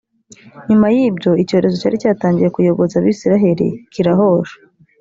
nyuma y’ibyo, icyorezo cyari cyatangiye kuyogoza abayisraheli kirahosha.